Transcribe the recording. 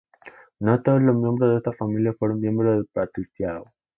No todos los miembros de estas familias fueron miembros del patriciado.